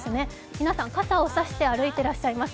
皆さん傘を差して歩いてらっしゃいます。